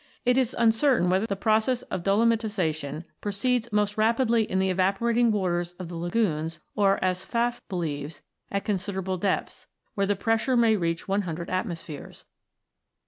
It is uncertain whether the process of dolomitisation proceeds most rapidly in the evaporating waters of the lagoons, or, as Pfaff believes, at considerable depths, where the pressure may reach 100 atmo spheres.